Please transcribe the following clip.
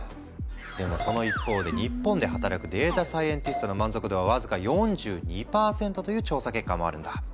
でもその一方で日本で働くデータサイエンティストの満足度は僅か４２％という調査結果もあるんだ。